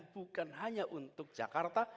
bukan hanya untuk jakarta